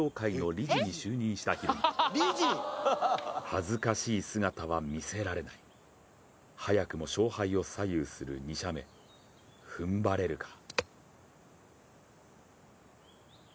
恥ずかしい姿は見せられない、早くも勝敗を左右する２射目、ふんばれるか。